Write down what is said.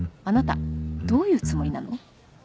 あなたどういうつもりなの？